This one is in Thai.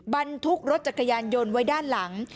บรรทุกรถจักรยานยนต์ไว้ด้านหลัง